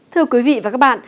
thưa quý vị và các bạn